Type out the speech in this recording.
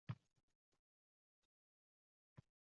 kir yuvish vositasini reklama qiluvchi audioni eshitib turish